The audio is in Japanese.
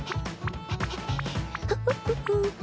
フフフフン。